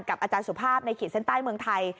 อาจารย์สุภาพในขีดเส้นใต้เมืองไทย